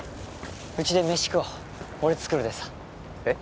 うちで飯食おう俺作るでさえっ？